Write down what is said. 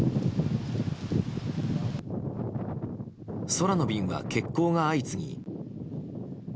空の便は欠航が相次ぎ。